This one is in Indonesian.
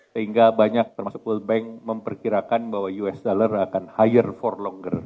sehingga banyak termasuk world bank memperkirakan bahwa us dollar akan hire for longer